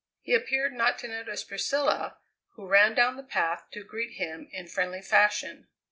He appeared not to notice Priscilla, who ran down the path to greet him in friendly fashion.